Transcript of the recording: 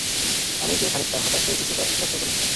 আমি যে খানিকটা হতাশ হয়েছি সেটা অস্বীকার করব না।